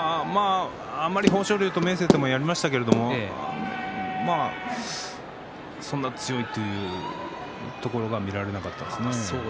豊昇龍や明生ともやりましたけれどもそんなに強いというところが見られなかったですね。